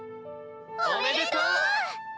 おめでとう！